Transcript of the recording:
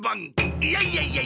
いやいやいやいや！